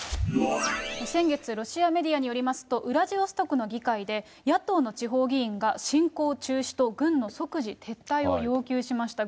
先月、ロシアメディアによりますと、ウラジオストクの議会で野党の地方議員が侵攻中止と軍の即時撤退を要求しました。